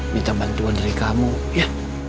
minta bantuan dari kamu ya